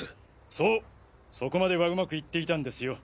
そうそこまでは上手くいっていたんですよ